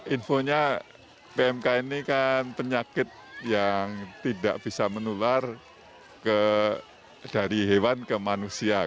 infonya pmk ini kan penyakit yang tidak bisa menular dari hewan ke manusia